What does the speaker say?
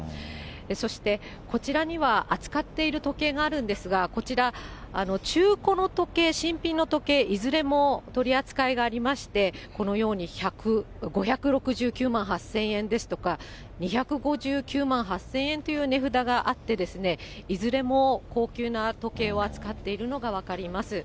そして、こちらには扱っている時計があるんですが、こちら、中古の時計、新品の時計、いずれも取り扱いがありまして、このように５６９万８０００円ですとか、２５９万８０００円という値札があってですね、いずれも高級な時計を扱っているのが分かります。